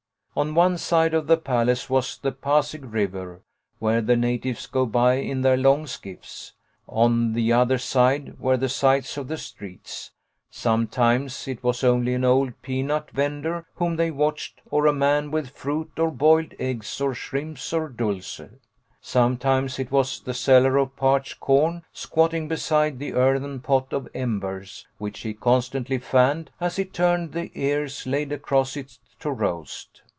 " On one side of the palace was the Pasig River, where the natives go by in their long skiffs. On the other side were the sights of the streets. Some times it was only an old peanut vendor whom they HOME LESSONS. 1 39 watched, or a man with fruit or boiled eggs or shrimps or dulce. Sometimes it was the seller of parched corn, squatting beside the earthen pot of embers which he constantly fanned, as he turned the ears laid across it to roast.